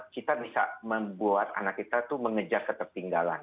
kita bisa membuat anak kita itu mengejar ketertinggalan